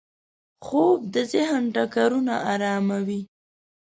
خوب د ذهن ټکرونه اراموي